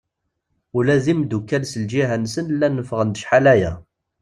Ula d imddukal s lǧiha-nsen llan ffɣen-d acḥal-aya.